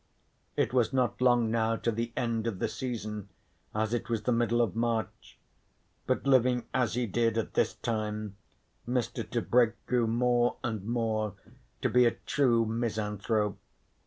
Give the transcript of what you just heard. It was not long now to the end of the season, as it was the middle of March. But living as he did at this time, Mr. Tebrick grew more and more to be a true misanthrope.